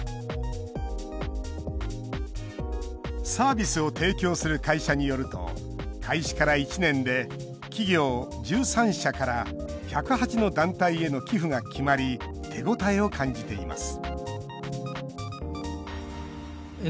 サービスを提供する会社によると開始から１年で企業１３社から１０８の団体への寄付が決まり手応えを感じています